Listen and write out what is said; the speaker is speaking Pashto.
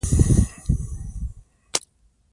زه په سړو اوبو کې د لامبېدو وروسته ساه اخلم.